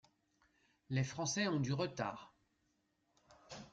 Les Français ont du retard.